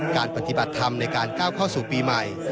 การปฏิบัติธรรมในการก้าวเข้าสู่ปีใหม่